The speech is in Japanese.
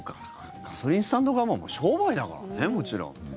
ガソリンスタンド側も商売だからね。